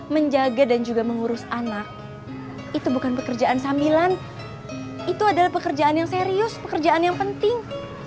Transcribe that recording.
menjaga dan juga mengurus anak itu bukan pekerjaan sambilan itu adalah pekerjaan yang serius pekerjaan yang penting